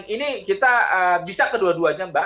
ini kita bisa kedua duanya mbak